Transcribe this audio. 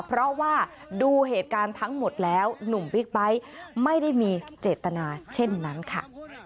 เพราะว่าดูเหตุการณ์ทั้งหมดแล้วหนุ่มบิ๊กไบท์ไม่ได้มีเจตนาเช่นนั้นค่ะ